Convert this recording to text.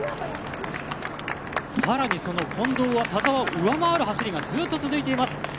更にその近藤は田澤を上回る走りがずっと続いています。